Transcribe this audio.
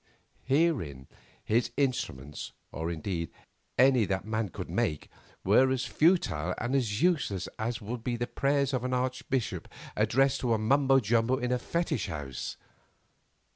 Herein his instruments, or indeed, any that man could make, were as futile and as useless as would be the prayers of an archbishop addressed to a Mumbo jumbo in a fetish house.